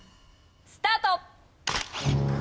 スタート！＃